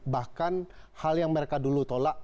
bahkan hal yang mereka dulu tolak